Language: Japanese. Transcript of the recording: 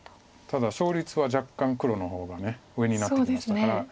ただ勝率は若干黒の方が上になってきましたから。